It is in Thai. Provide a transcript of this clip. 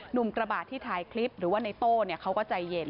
กระบาดที่ถ่ายคลิปหรือว่าในโต้เขาก็ใจเย็น